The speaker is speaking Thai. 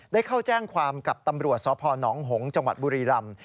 ได้เข้าแจ้งความกับตำรวจสพนหงษ์จังหวัดบุรีรำ